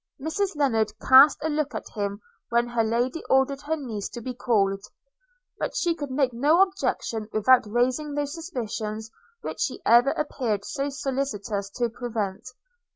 Mrs Lennard cast a look at him when her Lady ordered her niece to be called; but she could make no objection without raising those suspicions which she ever appeared so solicitous to prevent.